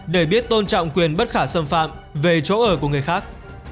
để biết tôn trọng quyền bất khả xâm phạm về chỗ ở của người khác